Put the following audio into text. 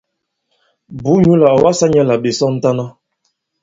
Bùu nyǔ là ɔ̀ wasā nyɛ̄ là ɓè sɔŋtana.